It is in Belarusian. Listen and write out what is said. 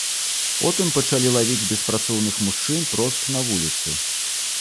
Потым пачалі лавіць беспрацоўных мужчын прост на вуліцы.